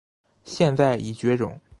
现在已绝种。